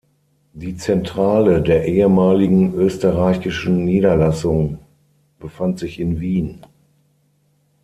Die Zentrale der ehemaligen österreichischen Niederlassung befand sich in Wien.